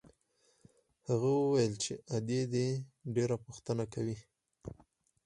هغه وويل چې ادې دې ډېره پوښتنه کوي.